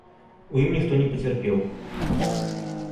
У ім ніхто не пацярпеў.